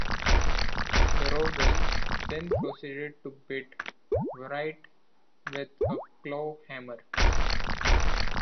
Rowell then proceeded to beat Wright with a claw hammer.